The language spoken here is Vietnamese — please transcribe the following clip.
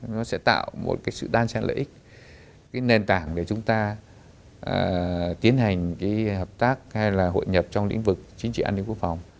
nó sẽ tạo một sự đàn sen lợi ích nền tảng để chúng ta tiến hành hợp tác hay hội nhập trong lĩnh vực chính trị an ninh quốc phòng